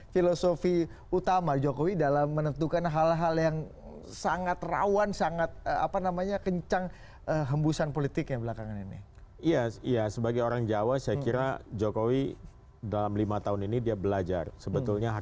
kita akan bahas itu selanjutnya